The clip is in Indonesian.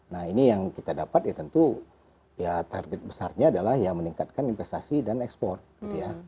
nah ini yang kita dapat ya tentu ya target besarnya adalah ya meningkatkan investasi dan ekspor gitu ya